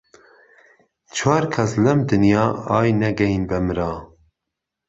چوار کهس لهم دنیا، ئای نهگهیین به مرا